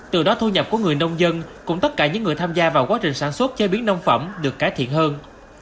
từ đó thu nhập của người nông dân cũng tất cả những người tham gia vào quá trình sản xuất chế biến nông phẩm được cải thiện hơn